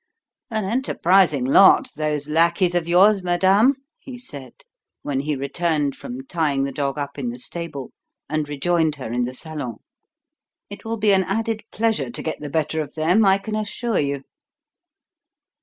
"An enterprising lot, those lackeys of yours, madame," he said, when he returned from tying the dog up in the stable and rejoined her in the salon. "It will be an added pleasure to get the better of them, I can assure you."